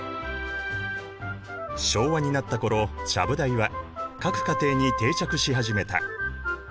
昭和になった頃ちゃぶ台は各家庭に定着し始めた。